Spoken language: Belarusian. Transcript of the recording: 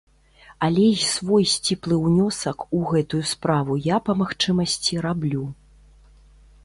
Але і свой сціплы ўнёсак у гэтую справу я па магчымасці раблю.